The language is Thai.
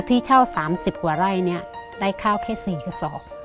ที่เช่า๓๐กว่าไร่เนี่ยได้ข้าวแค่๔กระสอบ